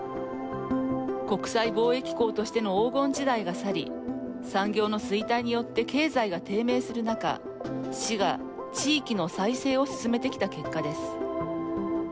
国際貿易港としての黄金時代が去り産業の衰退によって経済が低迷する中市が地域の再生を進めてきた結果です。